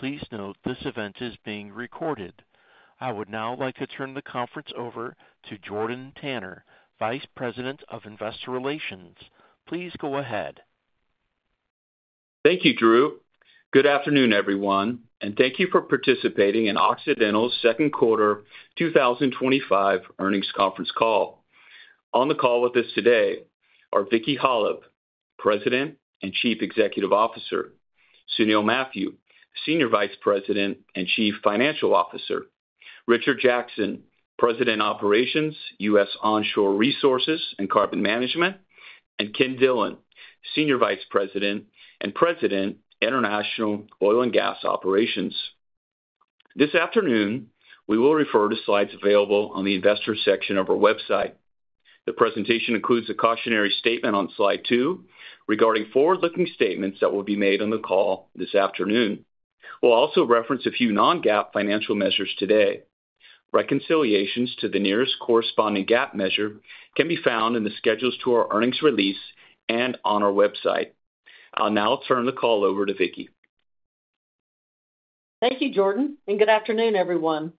Please note this event is being recorded. I would now like to turn the conference over to Jordan Tanner, Vice President of Investor Relations. Please go ahead. Thank you, Drew. Good afternoon, everyone, and thank you for participating in Occidental's second quarter 2025 earnings conference call. On the call with us today are Vicki Hollub, President and Chief Executive Officer; Sunil Mathew, Senior Vice President and Chief Financial Officer; Richard Jackson, President, U.S. Onshore Resources and Carbon Management; and Ken Dillon, Senior Vice President and President, International Oil and Gas Operations. This afternoon, we will refer to slides available on the Investor section of our website. The presentation includes a cautionary statement on slide 2 regarding forward-looking statements that will be made on the call this afternoon. We'll also reference a few non-GAAP financial measures today. Reconciliations to the nearest corresponding GAAP measure can be found in the schedules to our earnings release and on our website. I'll now turn the call over to Vicki. Thank you, Jordan, and good afternoon, everyone.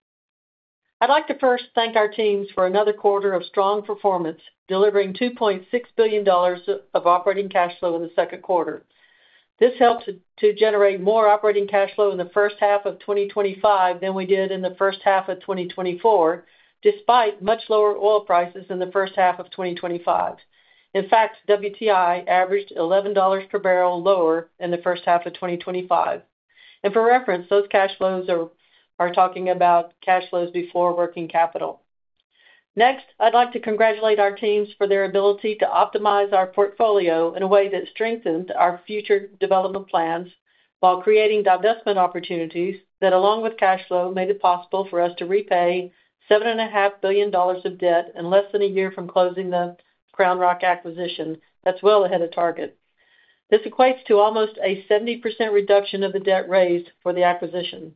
I'd like to first thank our teams for another quarter of strong performance, delivering $2.6 billion of operating cash flow in the second quarter. This helps to generate more operating cash flow in the first half of 2025 than we did in the first half of 2024, despite much lower oil prices in the first half of 2025. In fact, WTI averaged $11 per barrel lower in the first half of 2025. For reference, those cash flows are talking about cash flows before working capital. Next, I'd like to congratulate our teams for their ability to optimize our portfolio in a way that strengthened our future development plans while creating divestment opportunities that, along with cash flow, made it possible for us to repay $7.5 billion of debt in less than a year from closing the Crown Rock acquisition. That's well ahead of target. This equates to almost a 70% reduction of the debt raised for the acquisition.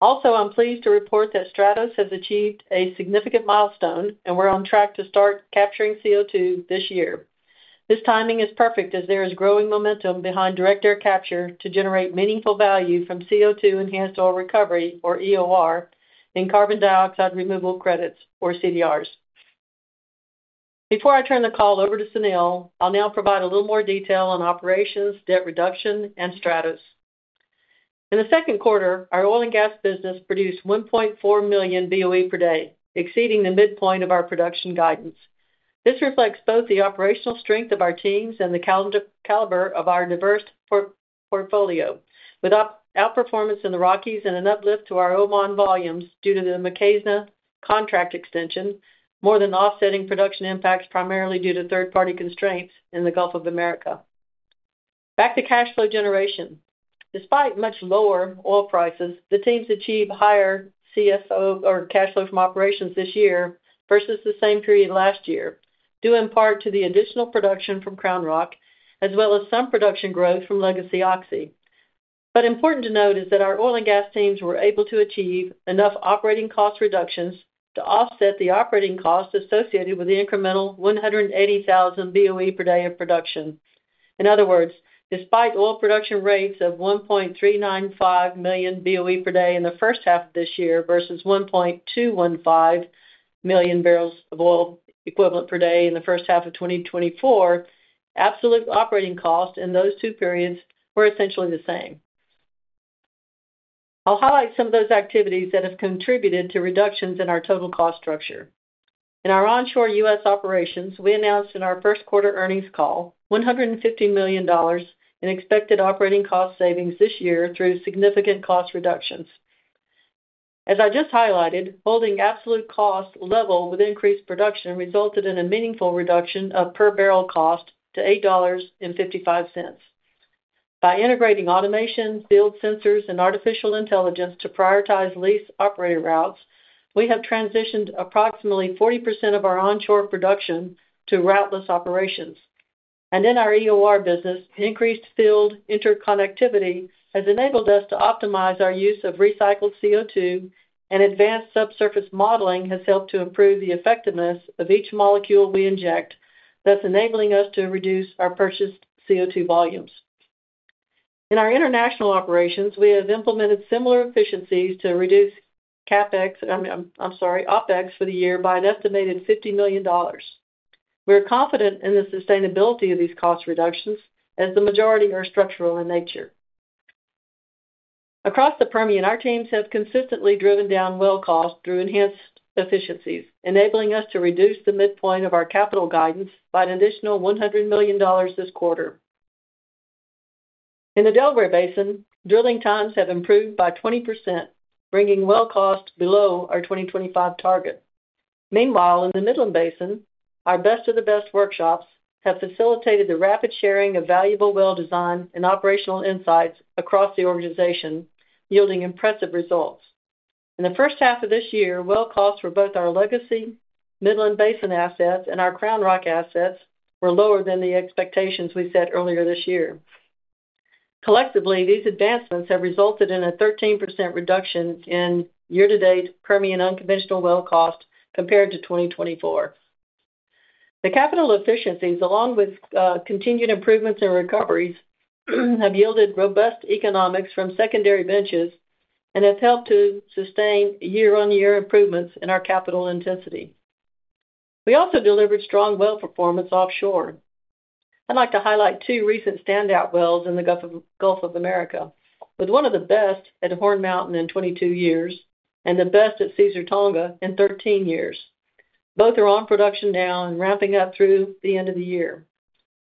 Also, I'm pleased to report that Stratos has achieved a significant milestone, and we're on track to start capturing CO2 this year. This timing is perfect as there is growing momentum behind direct air capture to generate meaningful value from CO2 Enhanced Oil Recovery, or EOR, and Carbon Dioxide Removal Credits, or CDRs. Before I turn the call over to Sunil, I'll now provide a little more detail on operations, debt reduction, and Stratos. In the second quarter, our oil and gas business produced 1.4 million BOE per day, exceeding the midpoint of our production guidance. This reflects both the operational strength of our teams and the caliber of our diverse portfolio, with outperformance in the Rockies and an uplift to our Oman volumes due to the Mukhaizna contract extension, more than offsetting production impacts primarily due to third-party constraints in the Gulf of America. Back to cash flow generation. Despite much lower oil prices, the teams achieved higher CFO or cash flow from operations this year versus the same period last year, due in part to the additional production from Crown Rock, as well as some production growth from Legacy Oxy. Important to note is that our oil and gas teams were able to achieve enough operating cost reductions to offset the operating costs associated with the incremental 180,000 BOE per day of production. In other words, despite oil production rates of 1.395 million BOE per day in the first half of this year versus 1.215 million BOE per day in the first half of 2024, absolute operating costs in those two periods were essentially the same. I'll highlight some of those activities that have contributed to reductions in our total cost structure. In our onshore U.S. operations, we announced in our first quarter earnings call $150 million in expected operating cost savings this year through significant cost reductions. As I just highlighted, holding absolute costs level with increased production resulted in a meaningful reduction of per barrel cost to $8.55. By integrating automation, field sensors, and artificial intelligence to prioritize lease operator routes, we have transitioned approximately 40% of our onshore production to route-less operations. In our EOR business, increased field interconnectivity has enabled us to optimize our use of recycled CO2, and advanced subsurface modeling has helped to improve the effectiveness of each molecule we inject, thus enabling us to reduce our purchased CO2 volumes. In our international operations, we have implemented similar efficiencies to reduce OpEx for the year by an estimated $50 million. We're confident in the sustainability of these cost reductions as the majority are structural in nature. Across the Permian, our teams have consistently driven down well costs through enhanced efficiencies, enabling us to reduce the midpoint of our capital guidance by an additional $100 million this quarter. In the Delaware Basin, drilling times have improved by 20%, bringing well costs below our 2025 target. Meanwhile, in the Midland Basin, our best-of-the-best workshops have facilitated the rapid sharing of valuable well design and operational insights across the organization, yielding impressive results. In the first half of this year, well costs for both our Legacy Midland Basin assets and our Crown Rock assets were lower than the expectations we set earlier this year. Collectively, these advancements have resulted in a 13% reduction in year-to-date Permian unconventional well cost compared to 2024. The capital efficiencies, along with continued improvements and recoveries, have yielded robust economics from secondary benches and have helped to sustain year-on-year improvements in our capital intensity. We also delivered strong well performance offshore. I'd like to highlight two recent standout wells in the Gulf of America, with one of the best at Horn Mountain in 22 years and the best at Caesar Tonga in 13 years. Both are on production now and ramping up through the end of the year.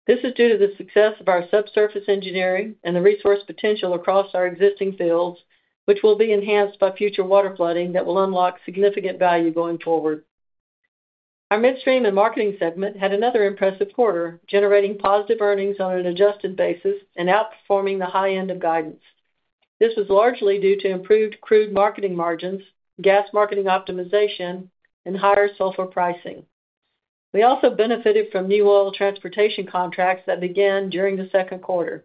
This is due to the success of our subsurface engineering and the resource potential across our existing fields, which will be enhanced by future water flooding that will unlock significant value going forward. Our midstream and marketing segment had another impressive quarter, generating positive earnings on an adjusted basis and outperforming the high end of guidance. This was largely due to improved crude marketing margins, gas marketing optimization, and higher sulfur pricing. We also benefited from new oil transportation contracts that began during the second quarter.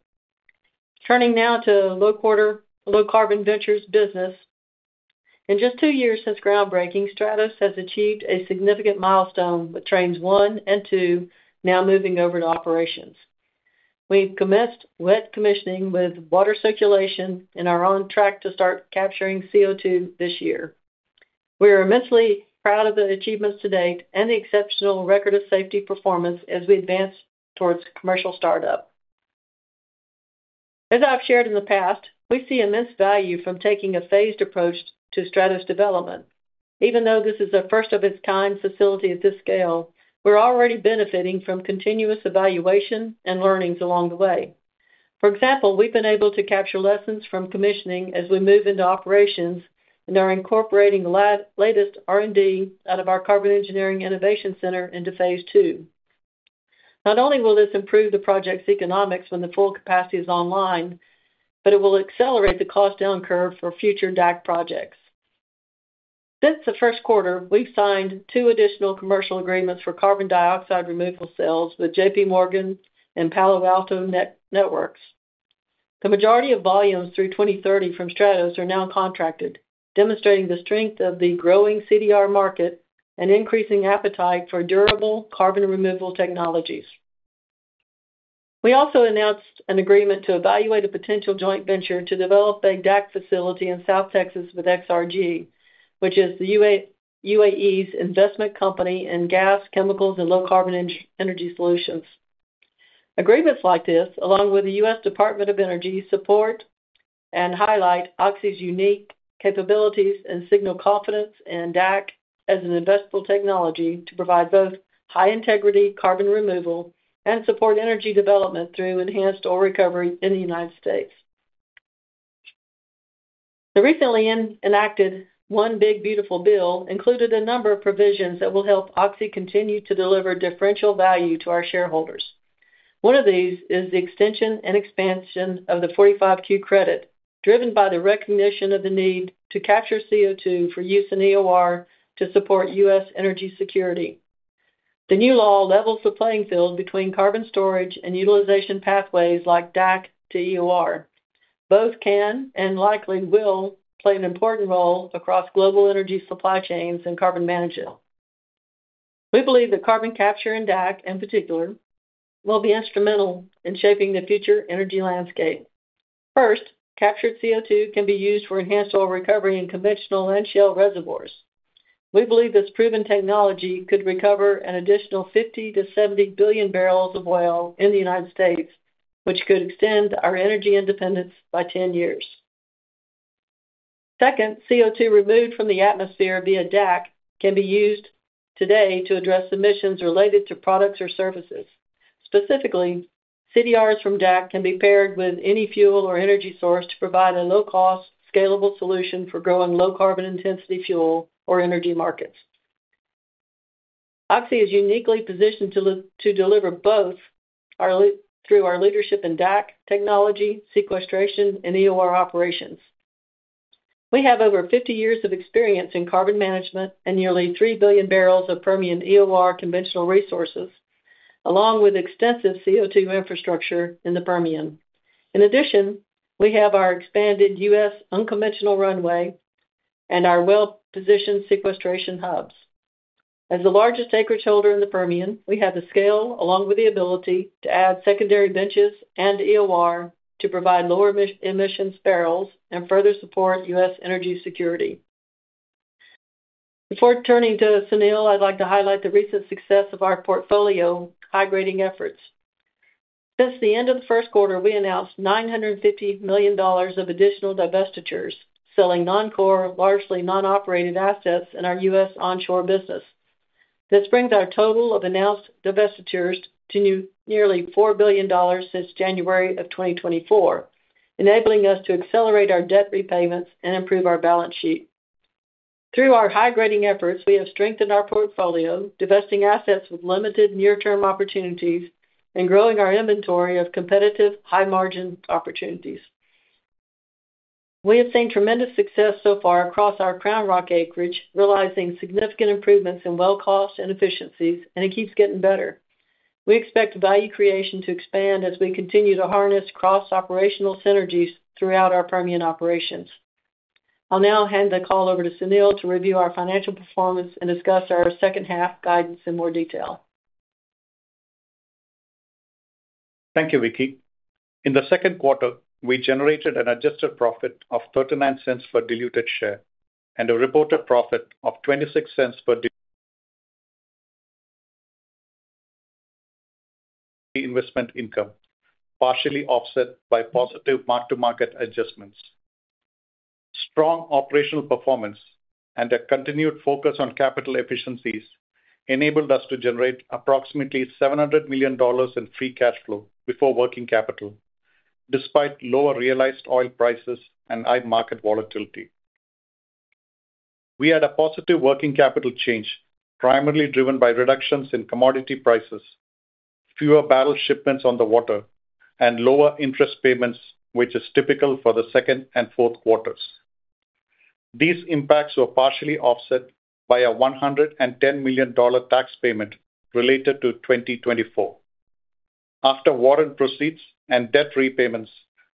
Turning now to low-carbon ventures business. In just two years since groundbreaking, Stratos has achieved a significant milestone with trains one and two now moving over to operations. We've commenced wet commissioning with water circulation and are on track to start capturing CO2 this year. We are immensely proud of the achievements to date and the exceptional record of safety performance as we advance towards commercial startup. As I've shared in the past, we see immense value from taking a phased approach to Stratos development. Even though this is a first-of-its-kind facility at this scale, we're already benefiting from continuous evaluation and learnings along the way. For example, we've been able to capture lessons from commissioning as we move into operations and are incorporating the latest R&D out of our Carbon Engineering Innovation Center into phase two. Not only will this improve the project's economics when the full capacity is online, but it will accelerate the cost down curve for future DAC projects. Since the first quarter, we've signed two additional commercial agreements for carbon dioxide removal cells with JPMorgan and Palo Alto Networks. The majority of volumes through 2030 from Stratos are now contracted, demonstrating the strength of the growing CDR market and increasing appetite for durable carbon removal technologies. We also announced an agreement to evaluate a potential joint venture to develop a DAC facility in South Texas with XRG, which is the UAE's investment company in gas, chemicals, and low-carbon energy solutions. Agreements like this, along with the U.S. Department of Energy support and highlight Oxy's unique capabilities and signal confidence in DAC as an investable technology to provide both high integrity carbon removal and support energy development through enhanced oil recovery in the United States. The recently enacted One Big Beautiful Bill included a number of provisions that will help Oxy continue to deliver differential value to our shareholders. One of these is the extension and expansion of the 45Q credit, driven by the recognition of the need to capture CO2 for use in EOR to support U.S. energy security. The new law levels the playing field between carbon storage and utilization pathways like DAC to EOR. Both can and likely will play an important role across global energy supply chains and carbon management. We believe that carbon capture in DAC, in particular, will be instrumental in shaping the future energy landscape. First, captured CO2 can be used for enhanced oil recovery in conventional and shale reservoirs. We believe this proven technology could recover an additional 50 billion-70 billion barrels of oil in the United States, which could extend our energy independence by 10 years. Second, CO2 removed from the atmosphere via DAC can be used today to address emissions related to products or services. Specifically, CDRs from DAC can be paired with any fuel or energy source to provide a low-cost, scalable solution for growing low-carbon intensity fuel or energy markets. Oxy is uniquely positioned to deliver both through our leadership in DAC technology, sequestration, and EOR operations. We have over 50 years of experience in carbon management and nearly 3 billion barrels of Permian EOR conventional resources, along with extensive CO2 infrastructure in the Permian. In addition, we have our expanded U.S. unconventional runway and our well-positioned sequestration hubs. As the largest acreage holder in the Permian, we have the scale, along with the ability to add secondary benches and EOR to provide lower emissions barrels and further support U.S. energy security. Before turning to Sunil, I'd like to highlight the recent success of our portfolio high-grading efforts. Since the end of the first quarter, we announced $950 million of additional divestitures, selling non-core, largely non-operated assets in our U.S. onshore business. This brings our total of announced divestitures to nearly $4 billion since January of 2024, enabling us to accelerate our debt repayments and improve our balance sheet. Through our high-grading efforts, we have strengthened our portfolio, divesting assets with limited near-term opportunities and growing our inventory of competitive, high-margin opportunities. We have seen tremendous success so far across our Crown Rock acreage, realizing significant improvements in well cost and efficiencies, and it keeps getting better. We expect value creation to expand as we continue to harness cross-operational synergies throughout our Permian operations. I'll now hand the call over to Sunil to review our financial performance and discuss our second half guidance in more detail. Thank you, Vicki. In the second quarter, we generated an adjusted profit of $0.39 per diluted share and a reported profit of $0.26 per investment income, partially offset by positive mark-to-market adjustments. Strong operational performance and a continued focus on capital efficiencies enabled us to generate approximately $700 million in free cash flow before working capital, despite lower realized oil prices and high market volatility. We had a positive working capital change, primarily driven by reductions in commodity prices, fewer barrel shipments on the water, and lower interest payments, which is typical for the second and fourth quarters. These impacts were partially offset by a $110 million tax payment related to 2024. After warrant proceeds and debt repayments,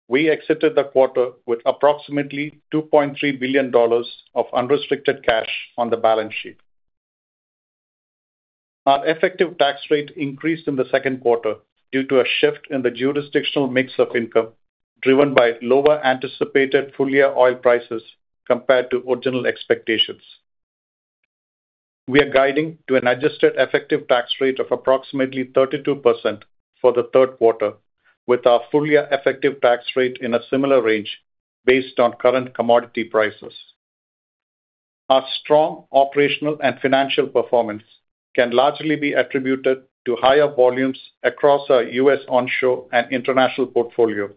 we exited the quarter with approximately $2.3 billion of unrestricted cash on the balance sheet. Our effective tax rate increased in the second quarter due to a shift in the jurisdictional mix of income, driven by lower anticipated fully oil prices compared to original expectations. We are guiding to an adjusted effective tax rate of approximately 32% for the third quarter, with our fully effective tax rate in a similar range based on current commodity prices. Our strong operational and financial performance can largely be attributed to higher volumes across our U.S. onshore and international portfolio,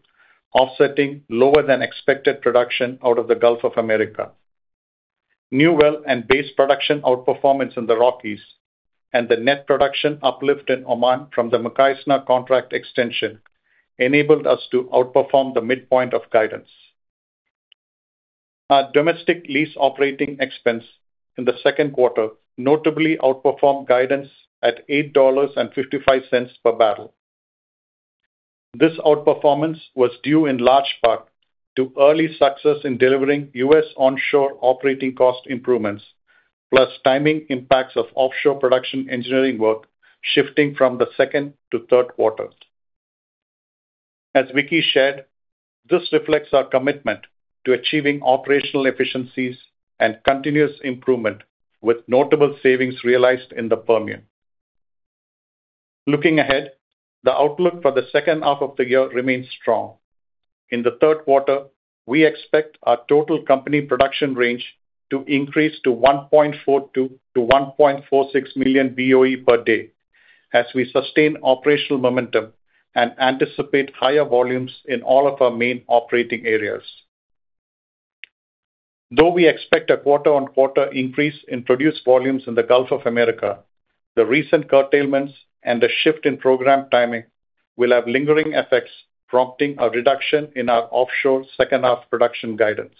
offsetting lower than expected production out of the Gulf of America. New well and base production outperformance in the Rockies and the net production uplift in Oman from the Mukhaizna contract extension enabled us to outperform the midpoint of guidance. Our domestic lease operating expense in the second quarter notably outperformed guidance at $8.55 per barrel. This outperformance was due in large part to early success in delivering U.S. onshore operating cost improvements, plus timing impacts of offshore production engineering work shifting from the second to third quarter. As Vicki shared, this reflects our commitment to achieving operational efficiencies and continuous improvement, with notable savings realized in the Permian. Looking ahead, the outlook for the second half of the year remains strong. In the third quarter, we expect our total company production range to increase to 1.42 million-1.46 million BOE per day as we sustain operational momentum and anticipate higher volumes in all of our main operating areas. Though we expect a quarter-on-quarter increase in produced volumes in the Gulf of America, the recent curtailments and the shift in program timing will have lingering effects, prompting a reduction in our offshore second half production guidance.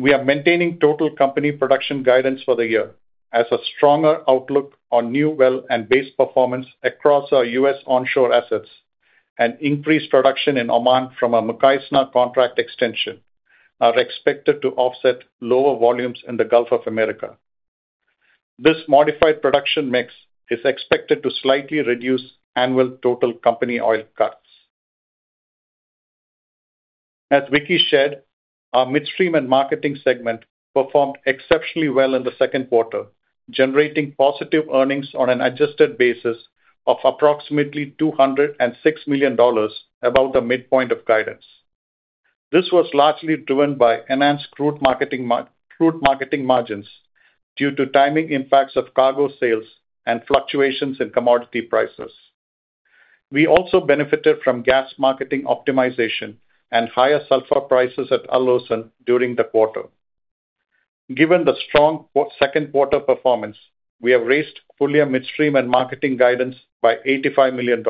We are maintaining total company production guidance for the year as a stronger outlook on new well and base performance across our U.S. onshore assets and increased production in Oman from our Mukhaizna contract extension are expected to offset lower volumes in the Gulf of America. This modified production mix is expected to slightly reduce annual total company oil cuts. As Vicki shared, our Midstream and Marketing segment performed exceptionally well in the second quarter, generating positive earnings on an adjusted basis of approximately $206 million above the midpoint of guidance. This was largely driven by enhanced crude marketing margins due to timing impacts of cargo sales and fluctuations in commodity prices. We also benefited from gas marketing optimization and higher sulfur prices at Al Hosn during the quarter. Given the strong second quarter performance, we have raised full-year Midstream and Marketing guidance by $85 million.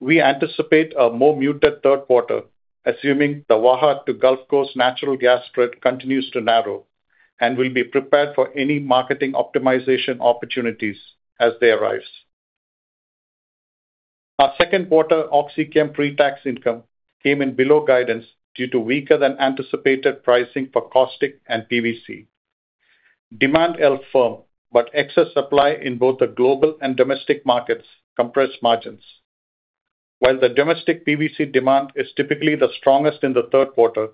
We anticipate a more muted third quarter, assuming the Waha to Gulf Coast natural gas spread continues to narrow and will be prepared for any marketing optimization opportunities as they arise. Our second quarter OxyChem pre-tax income came in below guidance due to weaker than anticipated pricing for caustic and PVC. Demand held firm, but excess supply in both the global and domestic markets compressed margins. While the domestic PVC demand is typically the strongest in the third quarter,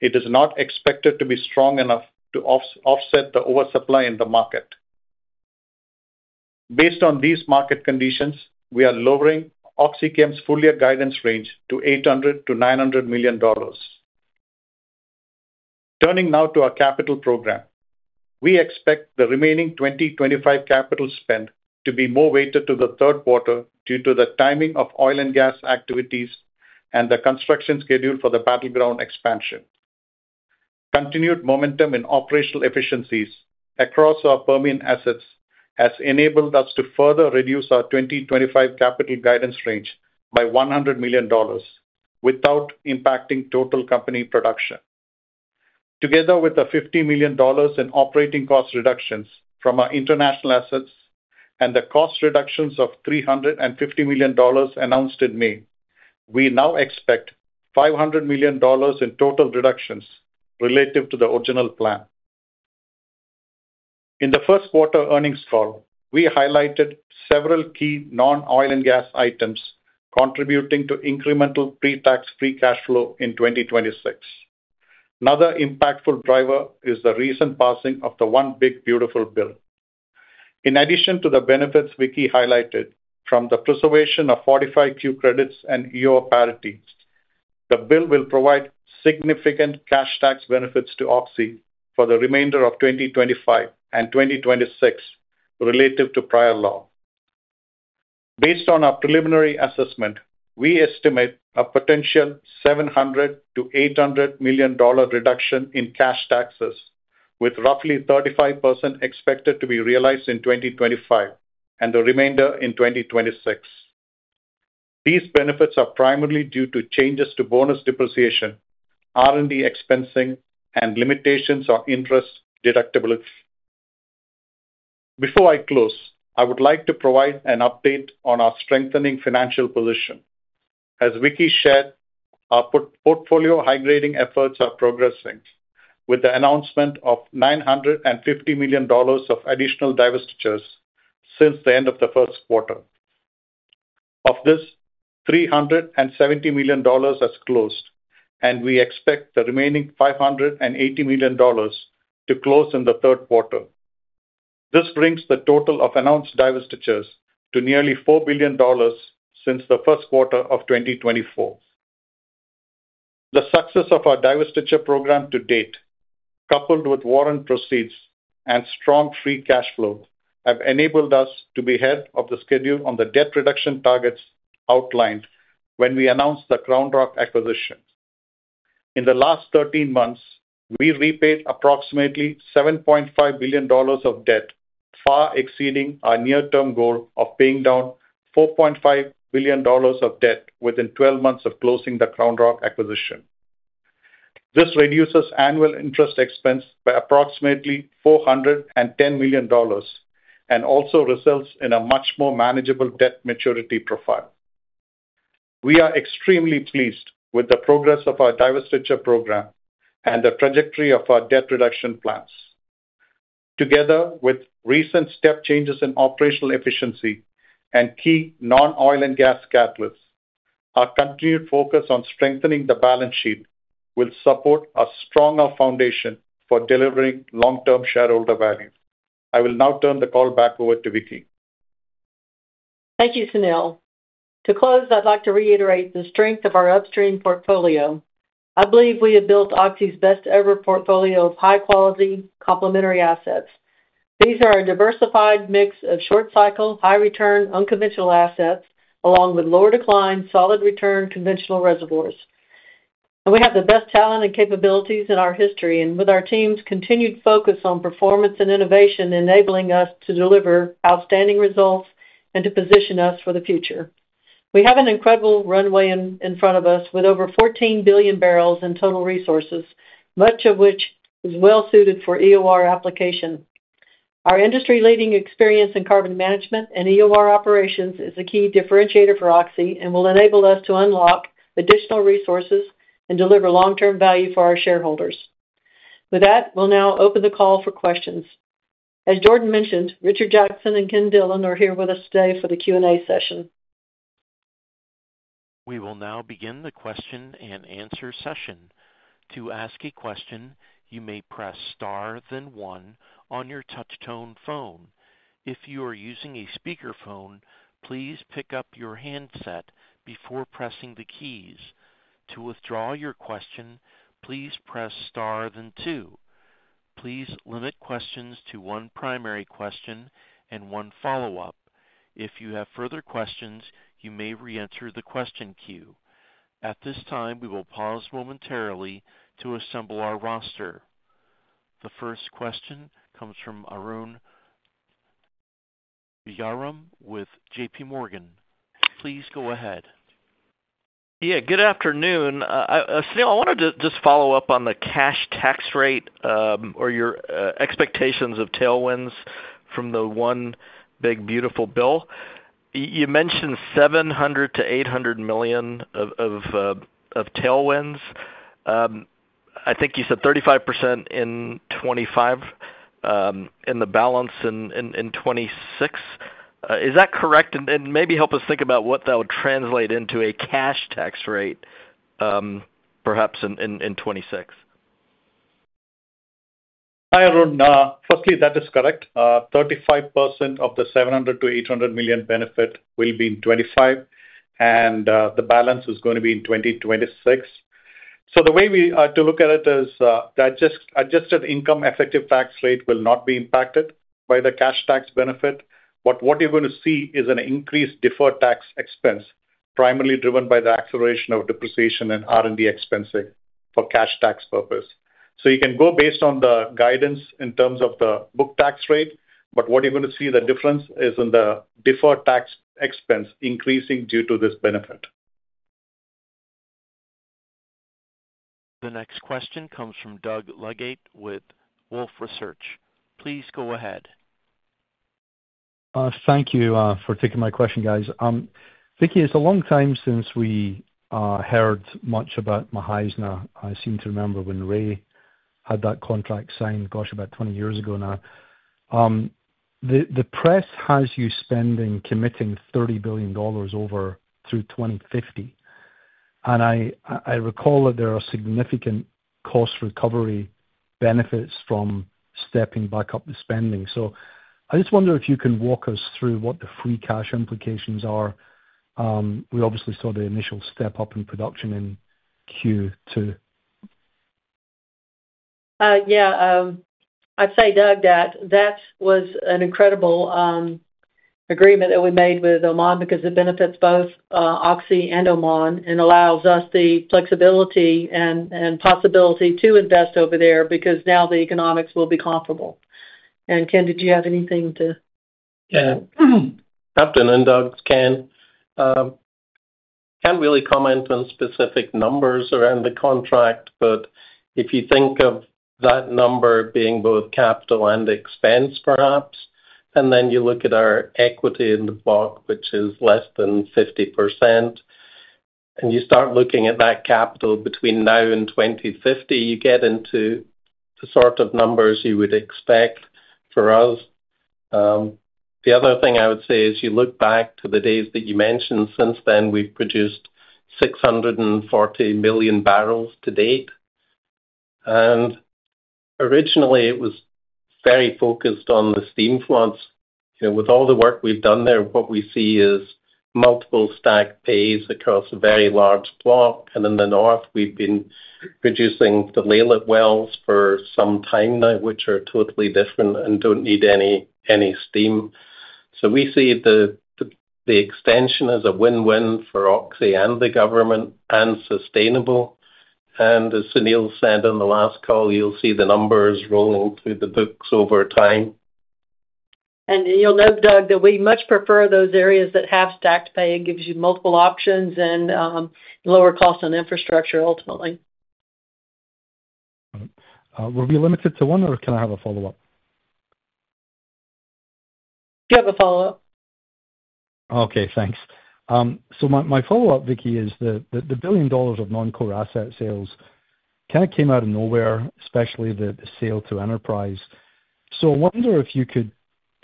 it is not expected to be strong enough to offset the oversupply in the market. Based on these market conditions, we are lowering OxyChem's full-year guidance range to $800 million-$900 million. Turning now to our capital program, we expect the remaining 2025 capital spend to be more weighted to the third quarter due to the timing of oil and gas activities and the construction schedule for the Battleground expansion. Continued momentum in operational efficiencies across our Permian assets has enabled us to further reduce our 2025 capital guidance range by $100 million without impacting total company production. Together with the $50 million in operating cost reductions from our international assets and the cost reductions of $350 million announced in May, we now expect $500 million in total reductions relative to the original plan. In the first quarter earnings call, we highlighted several key non-oil and gas items contributing to incremental pre-tax free cash flow in 2026. Another impactful driver is the recent passing of the One Big Beautiful Bill. In addition to the benefits Vicki highlighted from the preservation of 45Q credits and EOR parity, the bill will provide significant cash tax benefits to Oxy for the remainder of 2025 and 2026 relative to prior law. Based on our preliminary assessment, we estimate a potential $700 million-$800 million reduction in cash taxes, with roughly 35% expected to be realized in 2025 and the remainder in 2026. These benefits are primarily due to changes to bonus depreciation, R&D expensing, and limitations on interest deductibles. Before I close, I would like to provide an update on our strengthening financial position. As Vicki shared, our portfolio high-grading efforts are progressing, with the announcement of $950 million of additional divestitures since the end of the first quarter. Of this, $370 million has closed, and we expect the remaining $580 million to close in the third quarter. This brings the total of announced divestitures to nearly $4 billion since the first quarter of 2024. The success of our divestiture program to date, coupled with warrant proceeds and strong free cash flow, have enabled us to be ahead of the schedule on the debt reduction targets outlined when we announced the Crown Rock acquisition. In the last 13 months, we repaid approximately $7.5 billion of debt, far exceeding our near-term goal of paying down $4.5 billion of debt within 12 months of closing the Crown Rock acquisition. This reduces annual interest expense by approximately $410 million and also results in a much more manageable debt maturity profile. We are extremely pleased with the progress of our divestiture program and the trajectory of our debt reduction plans. Together with recent step changes in operational efficiency and key non-oil and gas catalysts, our continued focus on strengthening the balance sheet will support a stronger foundation for delivering long-term shareholder value. I will now turn the call back over to Vicki. Thank you, Sunil. To close, I'd like to reiterate the strength of our upstream portfolio. I believe we have built Oxy's best-ever portfolio of high-quality, complementary assets. These are a diversified mix of short-cycle, high-return, unconventional assets, along with lower decline, solid return, conventional reservoirs. We have the best talent and capabilities in our history, and with our team's continued focus on performance and innovation, enabling us to deliver outstanding results and to position us for the future. We have an incredible runway in front of us, with over 14 billion barrels in total resources, much of which is well suited for EOR application. Our industry-leading experience in carbon management and EOR operations is a key differentiator for Oxy and will enable us to unlock additional resources and deliver long-term value for our shareholders. With that, we'll now open the call for questions. As Jordan mentioned, Richard Jackson and Ken Dillon are here with us today for the Q&A session. We will now begin the question and answer session. To ask a question, you may press star, then one on your touch-tone phone. If you are using a speaker phone, please pick up your handset before pressing the keys. To withdraw your question, please press star, then two. Please limit questions to one primary question and one follow-up. If you have further questions, you may re-enter the question queue. At this time, we will pause momentarily to assemble our roster. The first question comes from Arun Jayaram with JPMorgan. Please go ahead. Yeah, good afternoon. I wanted to just follow up on the cash tax rate or your expectations of tailwinds from the One Big Beautiful Bill. You mentioned $700 million-$800 million of tailwinds. I think you said 35% in 2025 and the balance in 2026. Is that correct? Maybe help us think about what that would translate into a cash tax rate, perhaps in 2026. Hi, Arun. Firstly, that is correct. 35% of the $700 million-$800 million benefit will be in 2025, and the balance is going to be in 2026. The way to look at it is the adjusted income effective tax rate will not be impacted by the cash tax benefit, but what you're going to see is an increased deferred tax expense, primarily driven by the acceleration of depreciation and R&D expenses for cash tax purpose. You can go based on the guidance in terms of the book tax rate, but what you're going to see is the difference in the deferred tax expense increasing due to this benefit. The next question comes from Doug Leggate with Wolfe Research. Please go ahead. Thank you for taking my question, guys. Vicki, it's a long time since we heard much about Mukhaizna. I seem to remember when Ray had that contract signed, gosh, about 20 years ago now. The press has you spending committing $30 billion over through 2050. I recall that there are significant cost recovery benefits from stepping back up the spending. I just wonder if you can walk us through what the free cash implications are. We obviously saw the initial step up in production in Q2. Yeah, I'd say, Doug, that was an incredible agreement that we made with Oman because it benefits both Oxy and Oman and allows us the flexibility and possibility to invest over there because now the economics will be comparable. Ken, did you have anything to...? Yeah, afternoon, Doug. It's Ken. I can't really comment on specific numbers around the contract, but if you think of that number being both capital and expense, perhaps, and then you look at our equity in the book, which is less than 50%, and you start looking at that capital between now and 2050, you get into the sort of numbers you would expect for us. The other thing I would say is you look back to the days that you mentioned. Since then, we've produced 640 million barrels to date. Originally, it was very focused on the steam floods. With all the work we've done there, what we see is multiple stacked bays across a very large block. In the north, we've been producing the Laylat Wells for some time now, which are totally different and don't need any steam. We see the extension as a win-win for Oxy and the government and sustainable. As Sunil said on the last call, you'll see the numbers rolling through the books over time. You'll note, Doug, that we much prefer those areas that have stacked pay and give you multiple options and lower cost on infrastructure ultimately. Will we be limited to one, or can I have a follow-up? Do you have a follow-up? Okay, thanks. My follow-up, Vicki, is that the $1 billion of non-core asset sales kind of came out of nowhere, especially the sale to Enterprise. I wonder if you could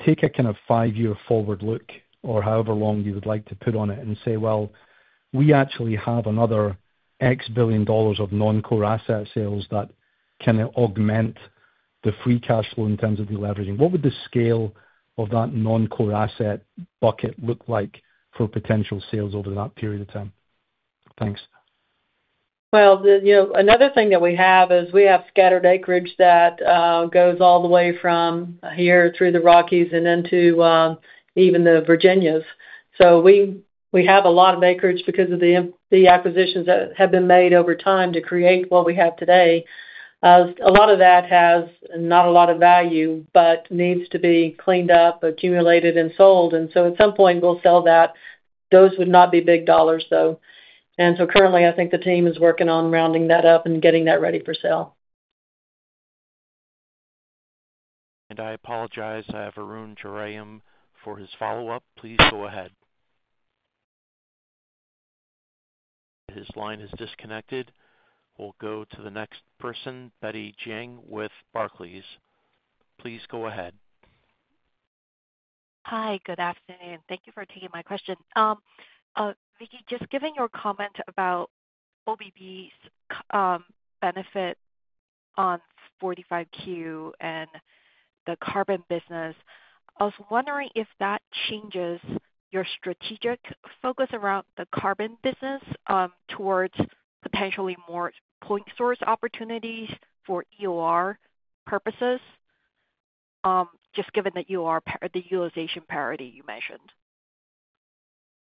take a kind of five-year forward look or however long you would like to put on it and say, we actually have another X billion dollars of non-core asset sales that can augment the free cash flow in terms of the leveraging. What would the scale of that non-core asset bucket look like for potential sales over that period of time? Thanks. Another thing that we have is we have scattered acreage that goes all the way from here through the Rockies and into even the Virginias. We have a lot of acreage because of the acquisitions that have been made over time to create what we have today. A lot of that has not a lot of value, but needs to be cleaned up, accumulated, and sold. At some point, we'll sell that. Those would not be big dollars, though. Currently, I think the team is working on rounding that up and getting that ready for sale. I apologize. I have Arun Jayaram for his follow-up. Please go ahead. His line is disconnected. We'll go to the next person, Betty Jiang with Barclays. Please go ahead. Hi, good afternoon. Thank you for taking my question. Vicki, just given your comment about OBB's benefit on 45Q and the carbon business, I was wondering if that changes your strategic focus around the carbon business towards potentially more point source opportunities for EOR purposes, just given that you are the utilization parity you mentioned.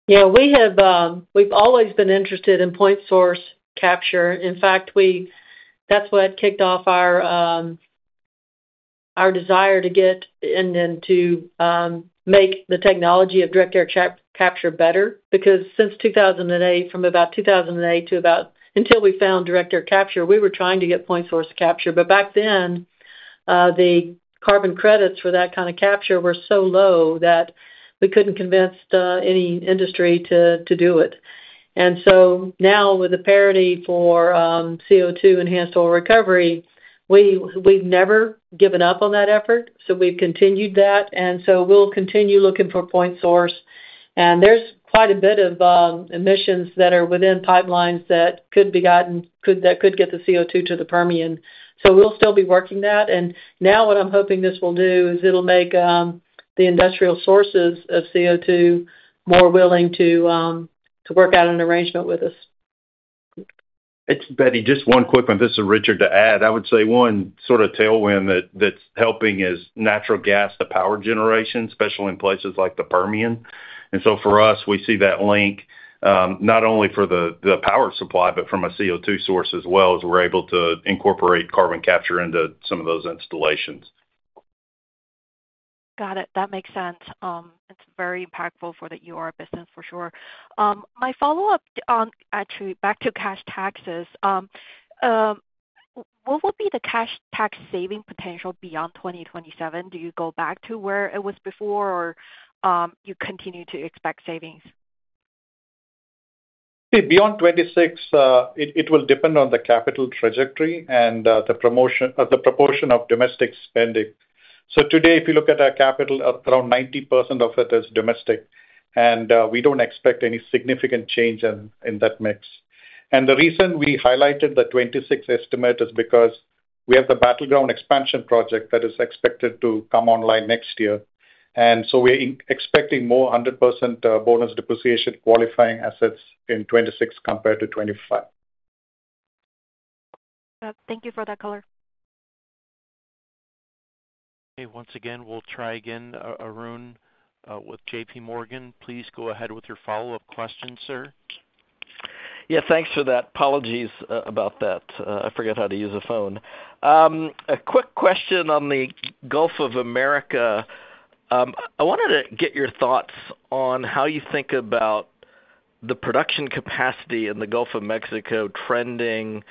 Yeah, we've always been interested in point source capture. In fact, that's what kicked off our desire to get and then to make the technology of direct air capture better. Because since 2008, from about 2008 until we found direct air capture, we were trying to get point source capture. Back then, the carbon credits for that kind of capture were so low that we couldn't convince any industry to do it. Now, with the parity for CO2 enhanced oil recovery, we've never given up on that effort. We've continued that, and we'll continue looking for point source. There's quite a bit of emissions that are within pipelines that could be gotten, that could get the CO2 to the Permian. We'll still be working that. What I'm hoping this will do is it'll make the industrial sources of CO2 more willing to work out an arrangement with us. It's Betty, just one quick one. This is Richard to add. I would say one sort of tailwind that's helping is natural gas, the power generation, especially in places like the Permian. For us, we see that link not only for the power supply, but from a CO2 source as well, as we're able to incorporate carbon capture into some of those installations. Got it. That makes sense. It's very impactful for the EOR business for sure. My follow-up on actually back to cash taxes. What will be the cash tax saving potential beyond 2027? Do you go back to where it was before, or you continue to expect savings? Beyond 2026, it will depend on the capital trajectory and the proportion of domestic spending. Today, if you look at our capital, around 90% of it is domestic, and we don't expect any significant change in that mix. The reason we highlighted the 2026 estimate is because we have the Battleground expansion project that is expected to come online next year. We're expecting more 100% bonus depreciation qualifying assets in 2026 compared to 2025. Thank you for that color. Okay, once again, we'll try again. Arun with JPMorgan, please go ahead with your follow-up question, sir. Yeah, thanks for that. Apologies about that. I forget how to use a phone. A quick question on the Gulf of America. I wanted to get your thoughts on how you think about the production capacity in the Gulf of America trending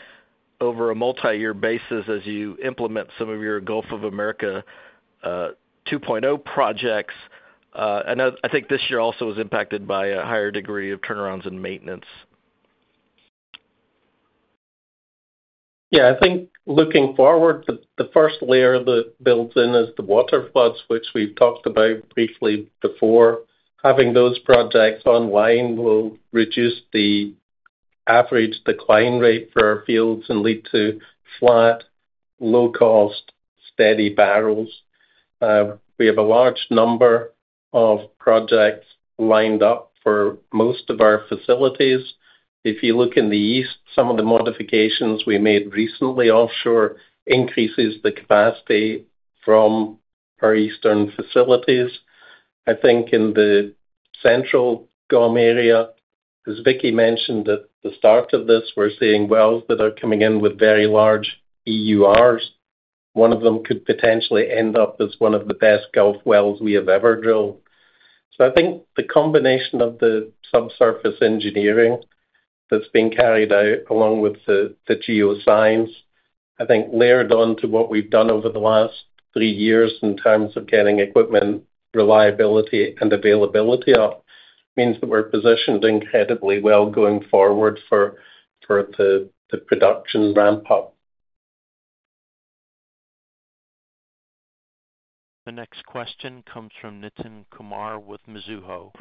over a multi-year basis as you implement some of your Gulf of America 2.0 projects. I think this year also was impacted by a higher degree of turnarounds and maintenance. Yeah, I think looking forward, the first layer that builds in is the water floods, which we've talked about briefly before. Having those projects online will reduce the average decline rate for our fields and lead to flat, low-cost, steady barrels. We have a large number of projects lined up for most of our facilities. If you look in the east, some of the modifications we made recently offshore increase the capacity from our eastern facilities. I think in Gulf of America area, as Vicki mentioned at the start of this, we're seeing wells that are coming in with very large EURs. One of them could potentially end up as one of the best Gulf wells we have ever drilled. I think the combination of the subsurface engineering that's being carried out along with the geoscience, layered onto what we've done over the last three years in terms of getting equipment reliability and availability up, means that we're positioned incredibly well going forward for the production ramp-up. The next question comes from Nitin Kumar with Mizuho.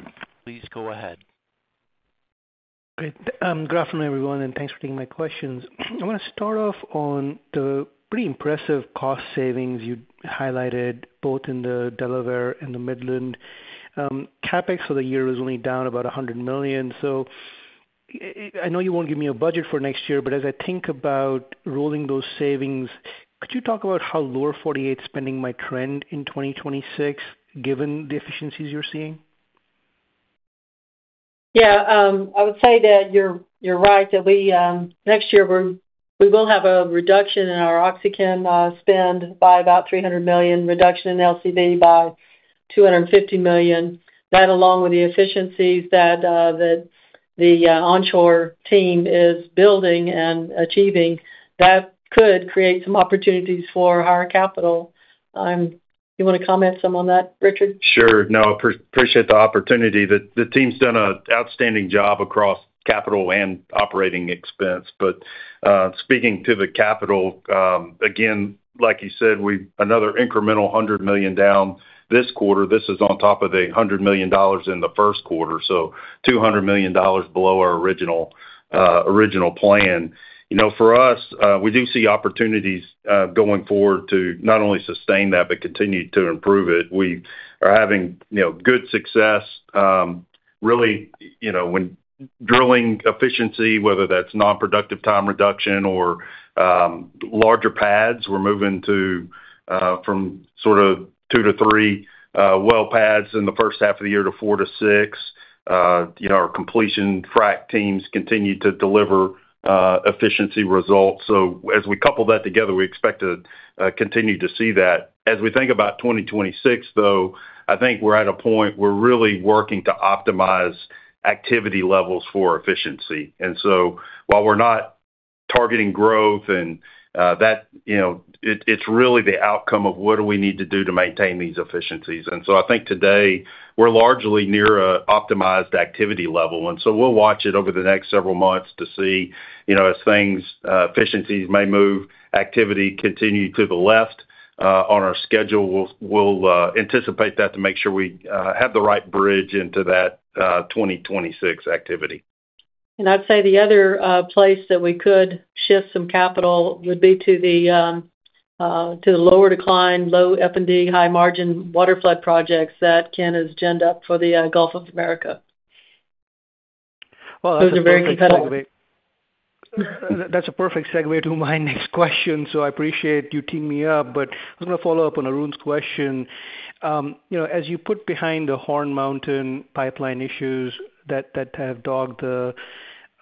Please go ahead. Good afternoon, everyone, and thanks for taking my questions. I want to start off on the pretty impressive cost savings you highlighted both in the Delaware and the Midland. CapEx for the year was only down about $100 million. I know you won't give me a budget for next year, but as I think about rolling those savings, could you talk about how lower 48 spending might trend in 2026, given the efficiencies you're seeing? Yeah, I would say that you're right. Next year, we will have a reduction in our OxyChem spend by about $300 million, reduction in LCV by $250 million. That along with the efficiencies that the onshore team is building and achieving, that could create some opportunities for higher capital. Do you want to comment some on that, Richard? Sure. No, I appreciate the opportunity. The team's done an outstanding job across capital and operating expense. Speaking to the capital, again, like you said, we've another incremental $100 million down this quarter. This is on top of the $100 million in the first quarter, so $200 million below our original plan. For us, we do see opportunities going forward to not only sustain that but continue to improve it. We are having good success. Really, when drilling efficiency, whether that's non-productive time reduction or larger pads, we're moving to from sort of two to three well pads in the first half of the year to four to six. Our completion frac teams continue to deliver efficiency results. As we couple that together, we expect to continue to see that. As we think about 2026, though, I think we're at a point where we're really working to optimize activity levels for efficiency. While we're not targeting growth, it's really the outcome of what do we need to do to maintain these efficiencies. I think today we're largely near an optimized activity level. We'll watch it over the next several months to see, as things, efficiencies may move, activity continue to the left on our schedule. We'll anticipate that to make sure we have the right bridge into that 2026 activity. I'd say the other place that we could shift some capital would be to the lower decline, low F&D, high margin water flood projects that can agenda for the Gulf of America. Those are very competitive. That's a perfect segue to my next question. I appreciate you teaming me up, but I was going to follow up on Arun's question. As you put behind the Horn Mountain pipeline issues that have dogged the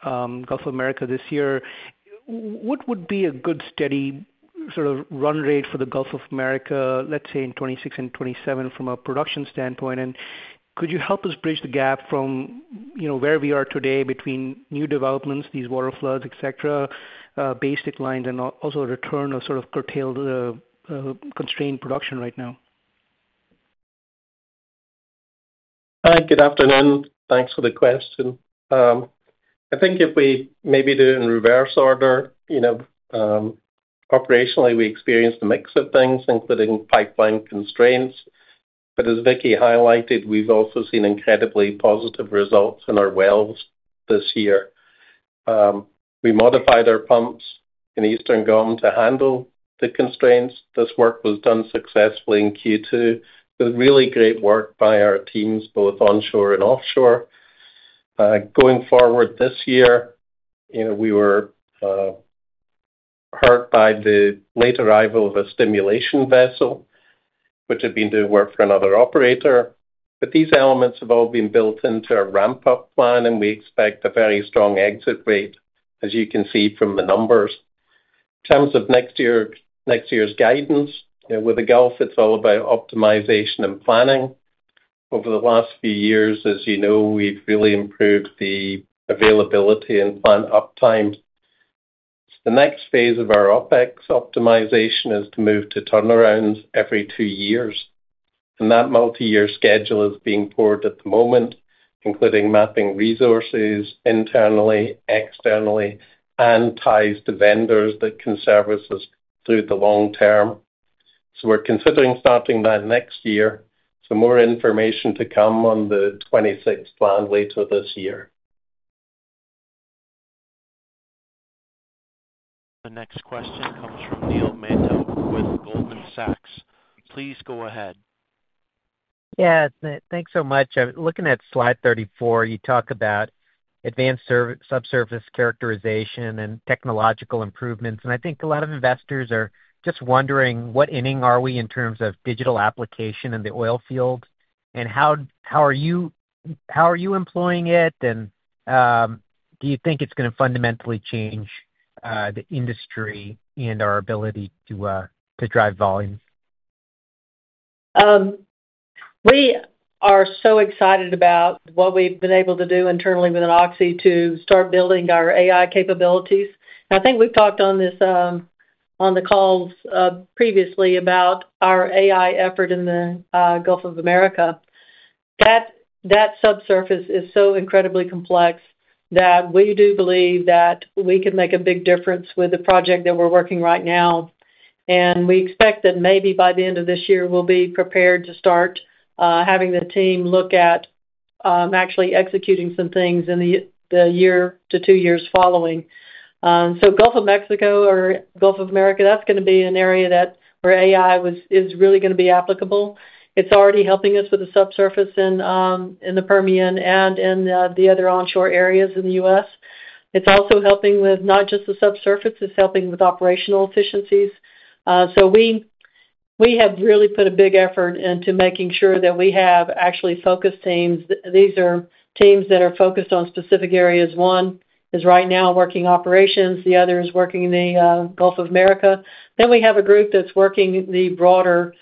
Gulf of America this year, what would be a good steady sort of run rate for the Gulf of America, let's say in 2026 and 2027 from a production standpoint? Could you help us bridge the gap from where we are today between new developments, these water floods, et cetera, basic lines, and also return or sort of curtail the constrained production right now? Good afternoon. Thanks for the question. I think if we maybe do it in reverse order, you know, operationally, we experienced a mix of things, including pipeline constraints. As Vicki highlighted, we've also seen incredibly positive results in our wells this year. We modified our pumps Gulf of America to handle the constraints. This work was done successfully in Q2 with really great work by our teams, both onshore and offshore. Going forward this year, we were hurt by the late arrival of a stimulation vessel, which had been doing work for another operator. These elements have all been built into a ramp-up plan, and we expect a very strong exit rate, as you can see from the numbers. In terms of next year's guidance, Gulf of America, it's all about optimization and planning. Over the last few years, as you know, we've really improved the availability and planned uptime. The next phase of our OpEx optimization is to move to turnarounds every two years. That multi-year schedule is being poured at the moment, including mapping resources internally, externally, and ties to vendors that can service us through the long term. We're considering starting that next year. More information to come on the 2026 plan later this year. The next question comes from Neil Mehta with Goldman Sachs. Please go ahead. Yeah, thanks so much. Looking at slide 34, you talk about advanced subsurface characterization and technological improvements. I think a lot of investors are just wondering what inning are we in terms of digital application in the oil field? How are you employing it? Do you think it's going to fundamentally change the industry and our ability to drive volume? We are so excited about what we've been able to do internally within Oxy to start building our AI capabilities. I think we've talked on this on the calls previously about our AI effort in the Gulf of America. That subsurface is so incredibly complex that we do believe that we can make a big difference with the project that we're working right now. We expect that maybe by the end of this year, we'll be prepared to start having the team look at actually executing some things in the year to two years following. Gulf of America, that's going to be an area where AI is really going to be applicable. It's already helping us with the subsurface in the Permian and in the other onshore areas in the U.S. It's also helping with not just the subsurface, it's helping with operational efficiencies. We have really put a big effort into making sure that we have actually focused teams. These are teams that are focused on specific areas. One is right now working operations, the other is working in the Gulf of America. We have a group that's working the broader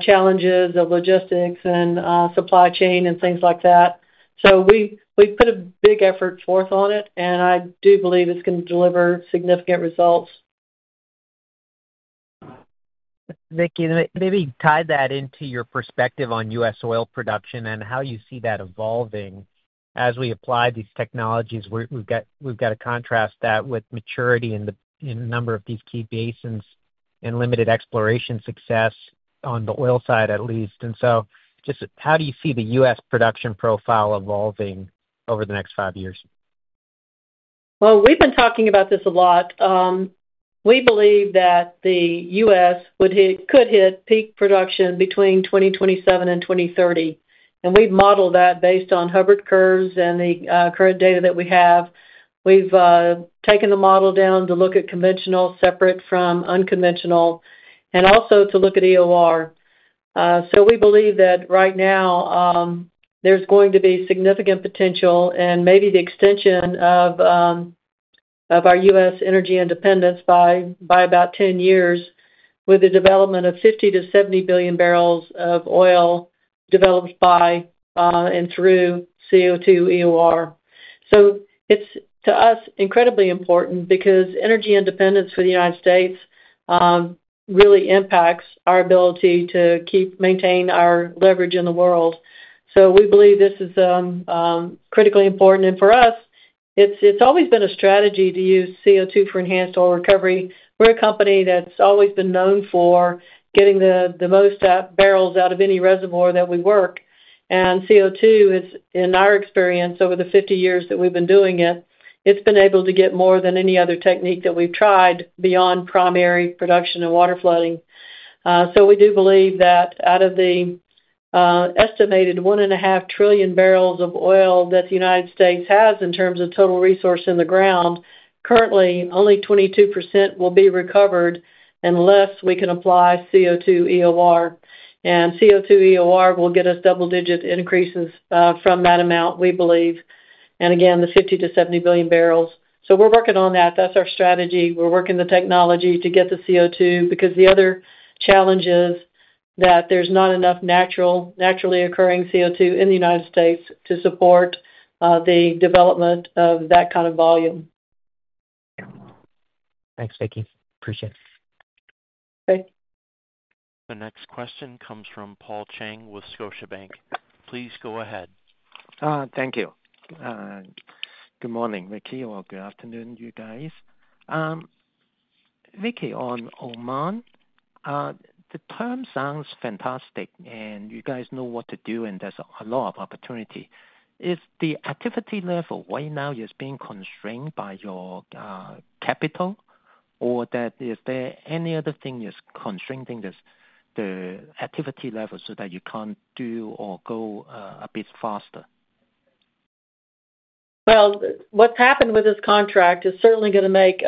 challenges of logistics and supply chain and things like that. We put a big effort forth on it, and I do believe it's going to deliver significant results. Vicki, maybe tie that into your perspective on U.S. oil production and how you see that evolving as we apply these technologies. We've got to contrast that with maturity in a number of these key basins and limited exploration success on the oil side, at least. Just how do you see the U.S. production profile evolving over the next five years? We believe that the U.S. could hit peak production between 2027 and 2030. We've modeled that based on Hubbert curves and the current data that we have. We've taken the model down to look at conventional separate from unconventional and also to look at EOR. We believe that right now there's going to be significant potential and maybe the extension of our U.S. energy independence by about 10 years with the development of 50 billion-70 billion barrels of oil developed by and through CO2 EOR. It is, to us, incredibly important because energy independence for the United States really impacts our ability to maintain our leverage in the world. We believe this is critically important. For us, it's always been a strategy to use CO2 for enhanced oil recovery. We're a company that's always been known for getting the most barrels out of any reservoir that we work. CO2, in our experience over the 50 years that we've been doing it, has been able to get more than any other technique that we've tried beyond primary production and water flooding. We do believe that out of the estimated 1.5 trillion barrels of oil that the United States has in terms of total resource in the ground, currently only 22% will be recovered unless we can apply CO2 EOR. CO2 EOR will get us double-digit increases from that amount, we believe. The 50 billion-70 billion barrels. We're working on that. That's our strategy. We're working the technology to get the CO2 because the other challenge is that there's not enough naturally occurring CO2 in the United States to support the development of that kind of volume. Thanks, Vicki. Appreciate it. Thank you. The next question comes from Paul Cheng with Scotiabank. Please go ahead. Thank you. Good morning, Vicki, or good afternoon, you guys. Vicki, on Oman, the term sounds fantastic, and you guys know what to do, and there's a lot of opportunity. Is the activity level right now being constrained by your capital, or is there any other thing that's constraining the activity level so that you can't do or go a bit faster? What has happened with this contract is certainly going to make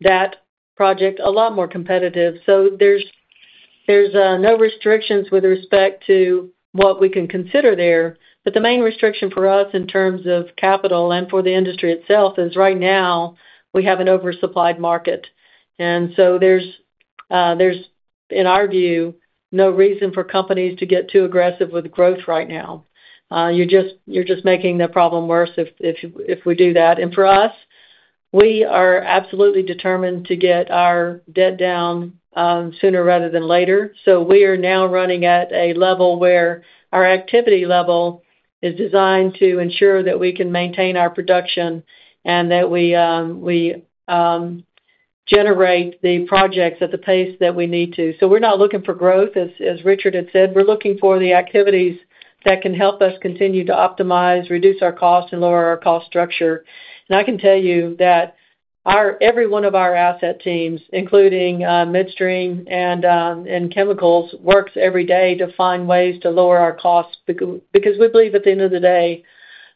that project a lot more competitive. There are no restrictions with respect to what we can consider there. The main restriction for us in terms of capital and for the industry itself is right now we have an oversupplied market. In our view, there is no reason for companies to get too aggressive with growth right now. You are just making the problem worse if we do that. For us, we are absolutely determined to get our debt down sooner rather than later. We are now running at a level where our activity level is designed to ensure that we can maintain our production and that we generate the projects at the pace that we need to. We are not looking for growth, as Richard had said. We are looking for the activities that can help us continue to optimize, reduce our cost, and lower our cost structure. I can tell you that every one of our asset teams, including midstream and chemicals, works every day to find ways to lower our costs because we believe at the end of the day,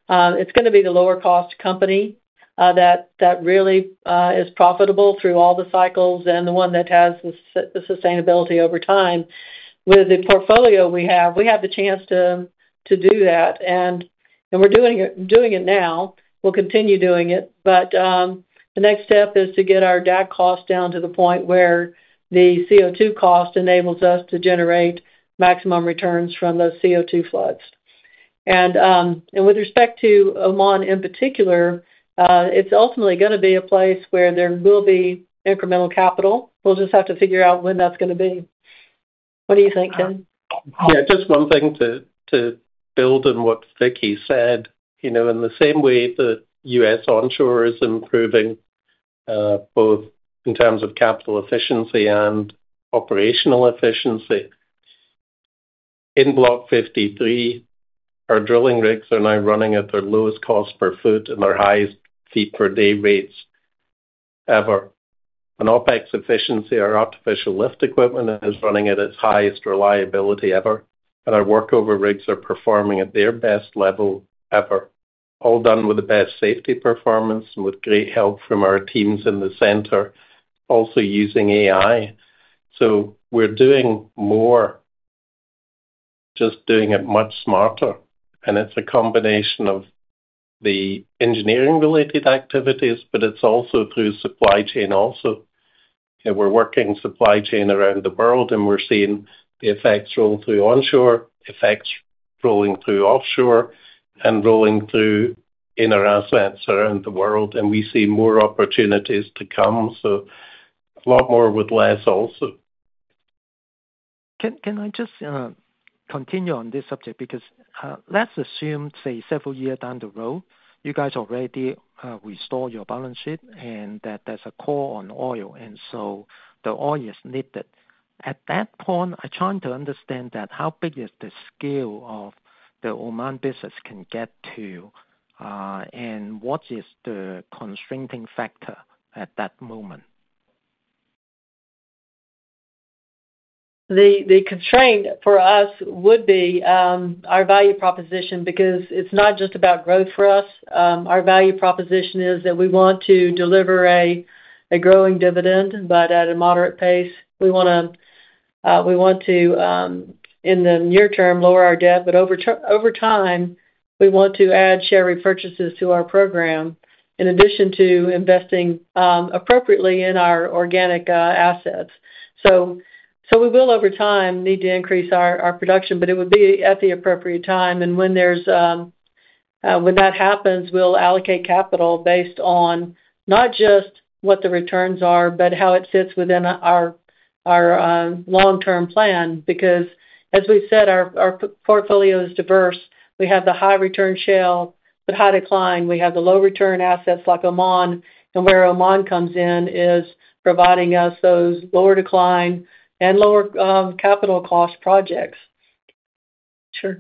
it is going to be the lower-cost company that really is profitable through all the cycles and the one that has the sustainability over time. With the portfolio we have, we have the chance to do that. We are doing it now. We will continue doing it. The next step is to get our DAC cost down to the point where the CO2 cost enables us to generate maximum returns from those CO2 floods. With respect to Oman in particular, it is ultimately going to be a place where there will be incremental capital. We will just have to figure out when that is going to be. What do you think, Ken? Yeah, just one thing to build on what Vicki said. You know, in the same way the U.S. onshore is improving, both in terms of capital efficiency and operational efficiency. In Block 53, our drilling rigs are now running at their lowest cost per foot and their highest feet per day rates ever. In OpEx efficiency, our artificial lift equipment is running at its highest reliability ever, and our workover rigs are performing at their best level ever, all done with the best safety performance and with great help from our teams in the center, also using AI. We are doing more, just doing it much smarter. It is a combination of the engineering-related activities, but it is also through supply chain also. We are working supply chain around the world, and we are seeing the effects roll through onshore, effects rolling through offshore, and rolling through in our assets around the world. We see more opportunities to come, so a lot more with less also. Can I just continue on this subject? Because let's assume, say, several years down the road, you guys already restored your balance sheet and that there's a call on oil, and so the oil is needed. At that point, I'm trying to understand how big is the scale the Oman business can get to, and what is the constraining factor at that moment? The constraint for us would be our value proposition because it's not just about growth for us. Our value proposition is that we want to deliver a growing dividend, but at a moderate pace. We want to, in the near term, lower our debt, but over time, we want to add share repurchases to our program in addition to investing appropriately in our organic assets. We will, over time, need to increase our production, but it would be at the appropriate time. When that happens, we'll allocate capital based on not just what the returns are, but how it fits within our long-term plan. Because, as we said, our portfolio is diverse. We have the high return shale with high decline. We have the low return assets like Oman, and where Oman comes in is providing us those lower decline and lower capital cost projects. Sure.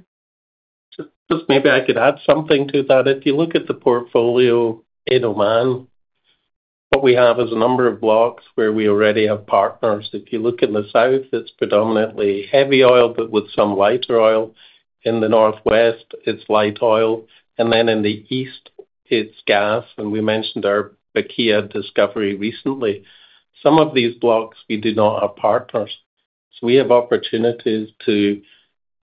Maybe I could add something to that. If you look at the portfolio in Oman, what we have is a number of blocks where we already have partners. If you look in the south, it's predominantly heavy oil, but with some lighter oil. In the northwest, it's light oil. In the east, it's gas. We mentioned our Bekia discovery recently. Some of these blocks, we do not have partners. We have opportunities to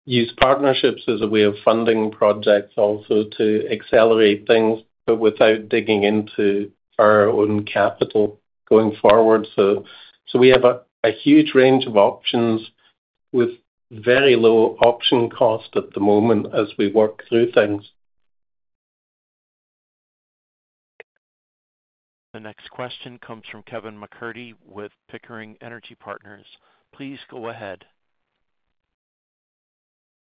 use partnerships as a way of funding projects also to accelerate things, without digging into our own capital going forward. We have a huge range of options with very low option cost at the moment as we work through things. The next question comes from Kevin MacCurdy with Pickering Energy Partners. Please go ahead.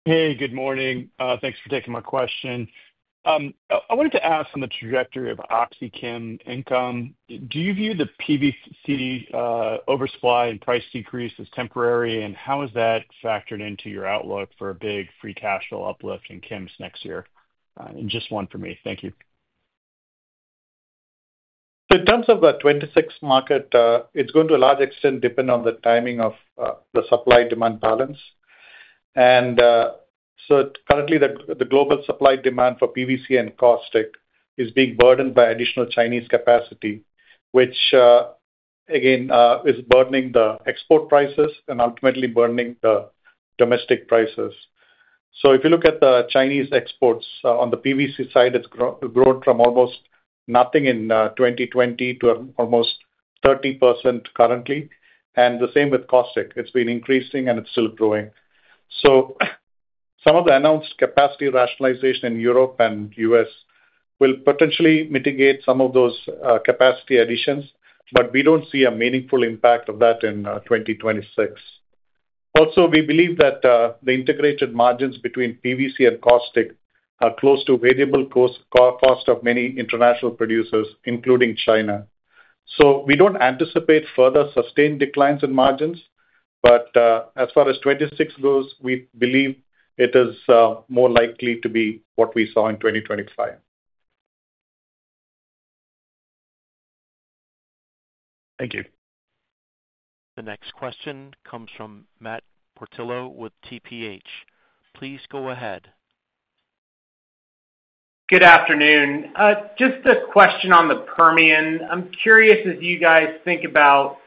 Hey, good morning. Thanks for taking my question. I wanted to ask on the trajectory of OxyChem income. Do you view the PVC oversupply and price decrease as temporary, and how is that factored into your outlook for a big free cash flow uplift in Chems next year? Just one for me. Thank you. In terms of the 2026 market, it's going to a large extent depend on the timing of the supply-demand balance. Currently, the global supply-demand for PVC and caustic is being burdened by additional Chinese capacity, which again is burdening the export prices and ultimately burdening the domestic prices. If you look at the Chinese exports on the PVC side, it's grown from almost nothing in 2020 to almost 30% currently. The same with caustic. It's been increasing and it's still growing. Some of the announced capacity rationalization in Europe and the U.S. will potentially mitigate some of those capacity additions, but we don't see a meaningful impact of that in 2026. We believe that the integrated margins between PVC and caustic are close to the variable cost of many international producers, including China. We don't anticipate further sustained declines in margins, but as far as 2026 goes, we believe it is more likely to be what we saw in 2025. Thank you. The next question comes from Matt Portillo with TPH. Please go ahead. Good afternoon. Just a question on the Permian. I'm curious as you guys think about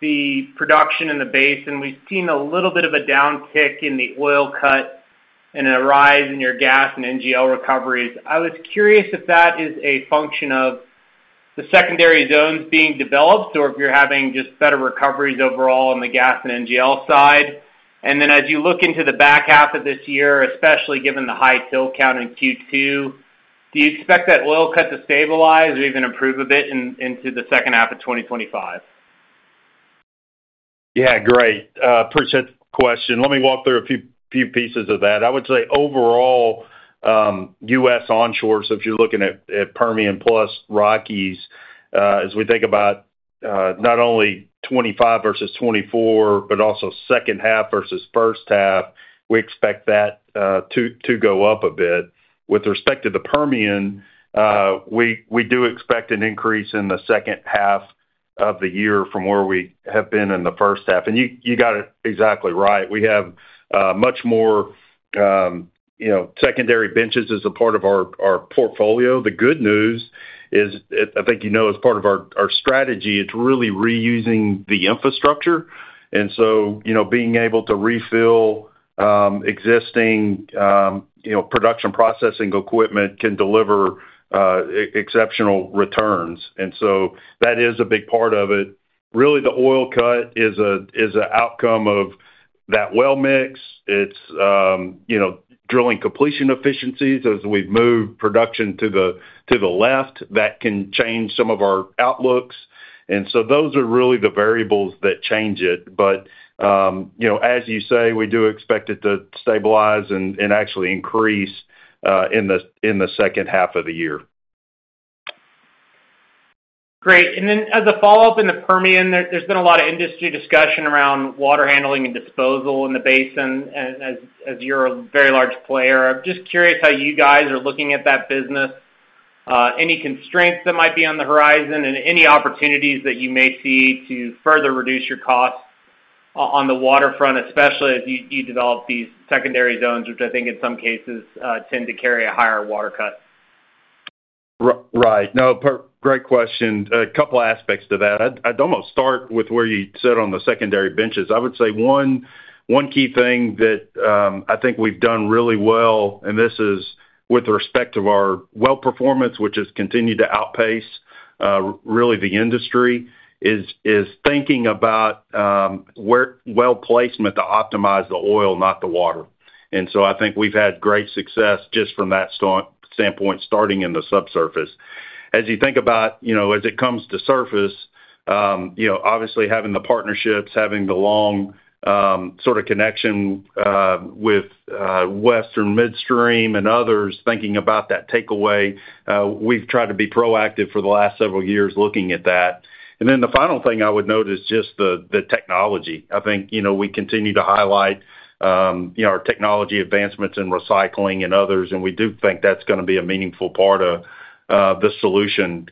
the production in the basin, we've seen a little bit of a downtick in the oil cut and a rise in your gas and NGL recoveries. I was curious if that is a function of the secondary zones being developed or if you're having just better recoveries overall on the gas and NGL side. As you look into the back half of this year, especially given the high till count in Q2, do you expect that oil cut to stabilize or even improve a bit into the second half of 2025? Yeah, great. Appreciate the question. Let me walk through a few pieces of that. I would say overall, U.S. onshore, so if you're looking at Permian plus Rockies, as we think about not only '25 versus '24, but also second half versus first half, we expect that to go up a bit. With respect to the Permian, we do expect an increase in the second half of the year from where we have been in the first half. You got it exactly right. We have much more secondary benches as a part of our portfolio. The good news is, I think you know, as part of our strategy, it's really reusing the infrastructure. Being able to refill existing production processing equipment can deliver exceptional returns. That is a big part of it. Really, the oil cut is an outcome of that well mix. It's drilling completion efficiencies. As we move production to the left, that can change some of our outlooks. Those are really the variables that change it. As you say, we do expect it to stabilize and actually increase in the second half of the year. Great. As a follow-up in the Permian, there's been a lot of industry discussion around water handling and disposal in the basin. As you're a very large player, I'm just curious how you guys are looking at that business, any constraints that might be on the horizon, and any opportunities that you may see to further reduce your costs on the waterfront, especially as you develop these secondary zones, which I think in some cases tend to carry a higher water cut. Right. Great question. A couple of aspects to that. I'd almost start with where you said on the secondary benches. I would say one key thing that I think we've done really well, and this is with respect to our well performance, which has continued to outpace really the industry, is thinking about well placement to optimize the oil, not the water. I think we've had great success just from that standpoint, starting in the subsurface. As you think about, as it comes to surface, obviously having the partnerships, having the long sort of connection with Western Midstream and others, thinking about that takeaway, we've tried to be proactive for the last several years looking at that. The final thing I would note is just the technology. I think we continue to highlight our technology advancements in recycling and others, and we do think that's going to be a meaningful part of the solution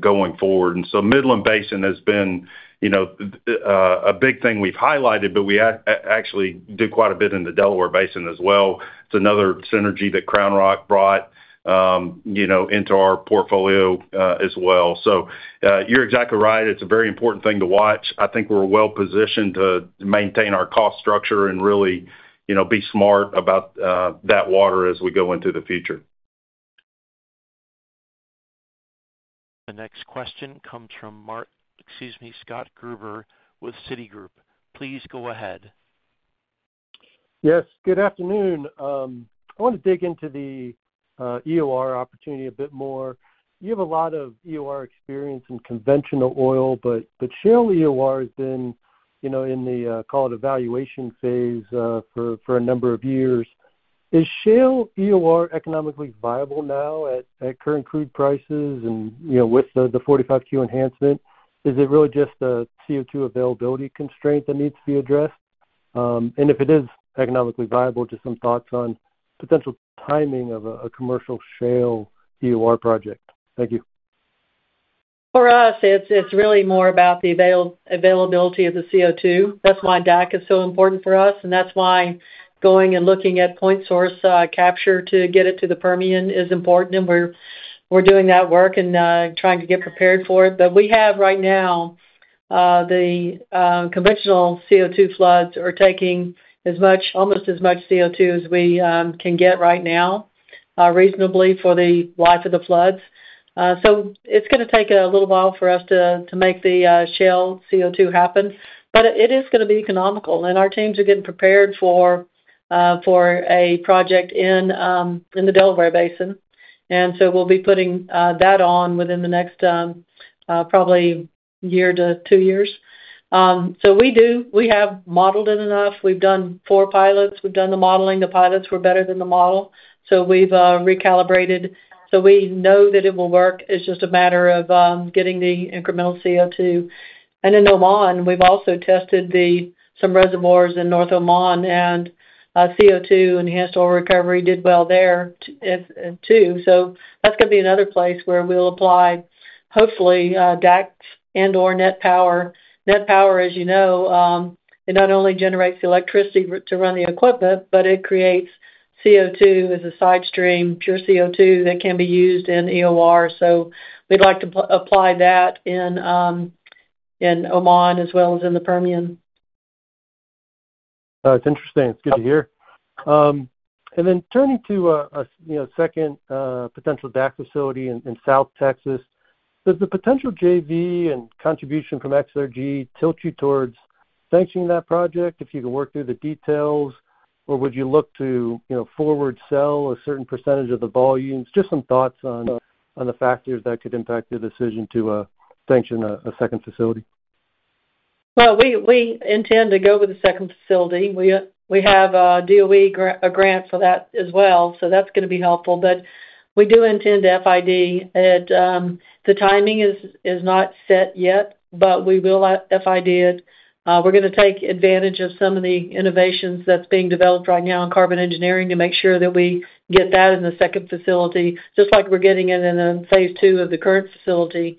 going forward. Midland Basin has been a big thing we've highlighted, but we actually do quite a bit in the Delaware Basin as well. It's another synergy that Crown Rock brought into our portfolio as well. You're exactly right. It's a very important thing to watch. I think we're well positioned to maintain our cost structure and really be smart about that water as we go into the future. The next question comes from Scott Gruber with Citigroup. Please go ahead. Yes, good afternoon. I want to dig into the EOR opportunity a bit more. You have a lot of EOR experience in conventional oil, but shale EOR has been in the, call it, evaluation phase for a number of years. Is shale EOR economically viable now at current crude prices and with the 45Q enhancement? Is it really just a CO2 availability constraint that needs to be addressed? If it is economically viable, just some thoughts on potential timing of a commercial shale EOR project. Thank you. For us, it's really more about the availability of the CO2. That's why DAC is so important for us. That's why going and looking at point source capture to get it to the Permian is important. We're doing that work and trying to get prepared for it. We have right now, the conventional CO2 floods are taking almost as much CO2 as we can get right now reasonably for the life of the floods. It's going to take a little while for us to make the shale CO2 happen. It is going to be economical. Our teams are getting prepared for a project in the Delaware Basin, and we'll be putting that on within the next probably year to two years. We have modeled it enough. We've done four pilots. We've done the modeling. The pilots were better than the model, so we've recalibrated. We know that it will work. It's just a matter of getting the incremental CO2. In Oman, we've also tested some reservoirs in North Oman, and CO2 enhanced oil recovery did well there too. That's going to be another place where we'll apply, hopefully, DAC and/or NET power. NET power, as you know, it not only generates electricity to run the equipment, but it creates CO2 as a side stream, pure CO2 that can be used in EOR. We'd like to apply that in Oman as well as in the Permian. That's interesting. It's good to hear. Turning to a second potential DAC facility in South Texas, does the potential JV and contribution from XRG tilt you towards sanctioning that project if you can work through the details, or would you look to forward sell a certain percentage of the volumes? Just some thoughts on the factors that could impact the decision to sanction a second facility. We intend to go with the second facility. We have a U.S. Department of Energy grant for that as well, which is going to be helpful. We do intend to FID it. The timing is not set yet, but we will FID it. We're going to take advantage of some of the innovations that are being developed right now in Carbon Engineering to make sure that we get that in the second facility, just like we're getting it in phase two of the current facility.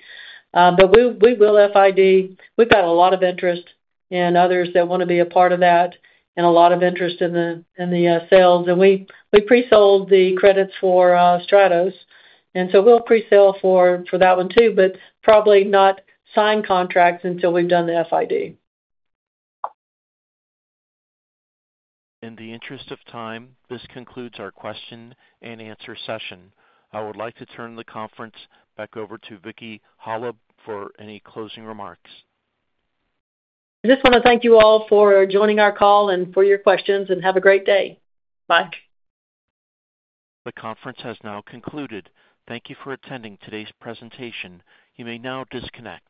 We will FID. We've got a lot of interest in others that want to be a part of that and a lot of interest in the sales. We pre-sold the credits for Stratos, and we'll pre-sell for that one too, but probably not sign contracts until we've done the FID. In the interest of time, this concludes our question and answer session. I would like to turn the conference back over to Vicki Hollub for any closing remarks. I just want to thank you all for joining our call and for your questions, and have a great day. Bye. The conference has now concluded. Thank you for attending today's presentation. You may now disconnect.